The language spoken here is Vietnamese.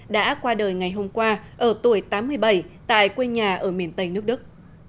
đã qua đời ngày hôm qua ở tuổi tám mươi bảy tại quê nhà ở miền tây nước đức